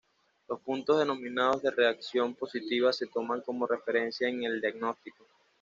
Los puntos denominados de reacción positiva se toman como referencia en el diagnóstico.